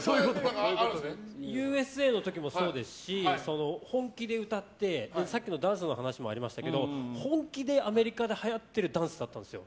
「Ｕ．Ｓ．Ａ．」の時もそうですし本気で歌って先のダンスの話もありましたけど本気でアメリカではやってるダンスだったんですよ。